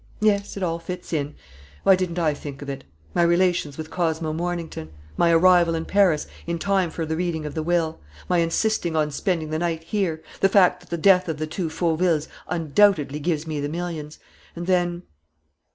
Yes, it all fits in.... Why didn't I think of it?... My relations with Cosmo Mornington, my arrival in Paris in time for the reading of the will, my insisting on spending the night here, the fact that the death of the two Fauvilles undoubtedly gives me the millions.... And then